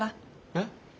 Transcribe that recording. えっ？